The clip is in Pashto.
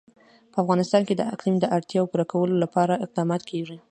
په افغانستان کې د اقلیم د اړتیاوو پوره کولو لپاره اقدامات کېږي.